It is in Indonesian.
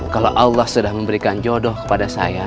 kalau allah sudah memberikan jodoh kepada saya